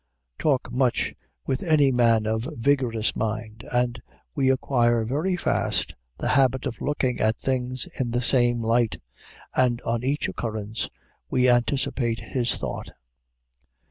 Talk much with any man of vigorous mind, and we acquire very fast the habit of looking at things in the same light, and, on each occurrence, we anticipate his thought.